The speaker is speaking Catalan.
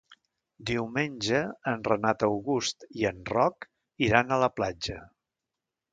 Diumenge en Renat August i en Roc iran a la platja.